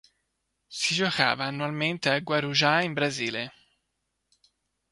Si giocava annualmente a Guarujá in Brasile.